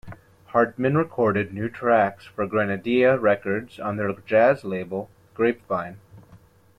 Hartman recorded new tracks for Grenadilla Records on their jazz label, Grapevine.